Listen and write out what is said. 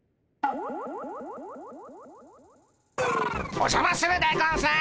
おじゃまするでゴンス。